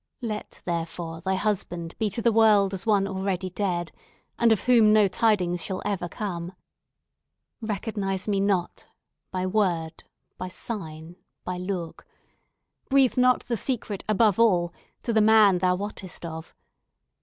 Let, therefore, thy husband be to the world as one already dead, and of whom no tidings shall ever come. Recognise me not, by word, by sign, by look! Breathe not the secret, above all, to the man thou wottest of.